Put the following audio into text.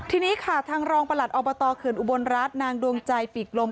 ทีนี้ค่ะทางรองประหลัดอบตเขื่อนอุบลรัฐนางดวงใจปีกลม